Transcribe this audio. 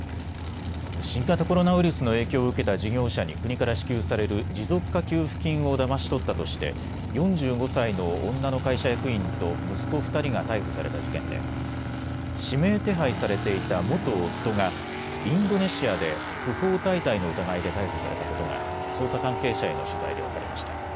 新型コロナウイルスの影響を受けた事業者に国から支給される持続化給付金をだまし取ったとして４５歳の女の会社役員と息子２人が逮捕された事件で指名手配されていた元夫がインドネシアで不法滞在の疑いで逮捕されたことが捜査関係者への取材で分かりました。